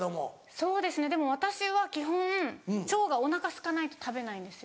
そうですねでも私は基本腸がお腹すかないと食べないんですよ。